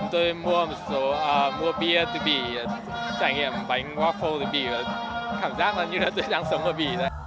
tôi mua bia từ bỉ trải nghiệm bánh waffle từ bỉ cảm giác như là tôi đang sống ở bỉ